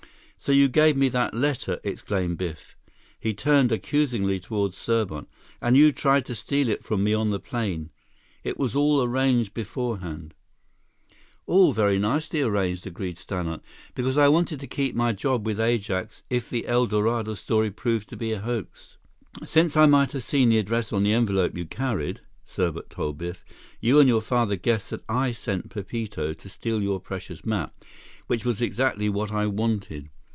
"So you gave me that letter!" exclaimed Biff. He turned accusingly toward Serbot. "And you tried to steal it from me on the plane! It was all arranged beforehand!" "All very nicely arranged," agreed Stannart, "because I wanted to keep my job with Ajax if the El Dorado story proved to be a hoax." "Since I might have seen the address on the envelope you carried," Serbot told Biff, "you and your father guessed that I sent Pepito to steal your precious map, which was exactly what I wanted.